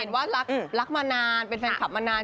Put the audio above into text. ว่ารักมานานเป็นแฟนคลับมานาน